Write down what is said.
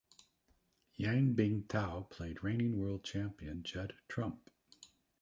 Yan Bingtao played reigning world champion Judd Trump.